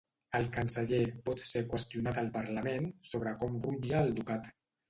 El Canceller pot ser qüestionat al Parlament sobre com rutlla el Ducat.